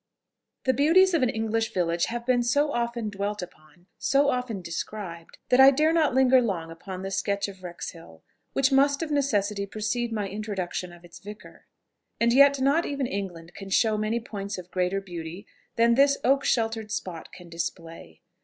The beauties of an English village have been so often dwelt upon, so often described, that I dare not linger long upon the sketch of Wrexhill, which must of necessity precede my introduction of its vicar. And yet not even England can show many points of greater beauty than this oak sheltered spot can display.